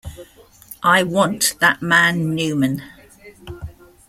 I want that man Newman.